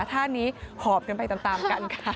ท่านี้หอบกันไปตามกันค่ะ